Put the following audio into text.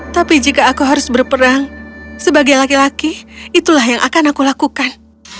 tapi jika aku harus berperang sebagai laki laki itulah yang akan aku lakukan